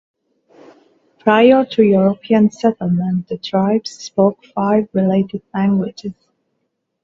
Prior to European settlement, the tribes spoke five related languages.